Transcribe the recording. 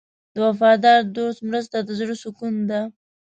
د وفادار دوست مرسته د زړه سکون ده.